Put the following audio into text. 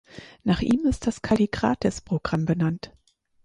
Nach ihm ist das Kallikratis-Programm benannt.